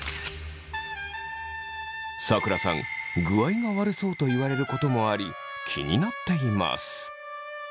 さくらさん「具合が悪そう」と言われることもあり気になっています。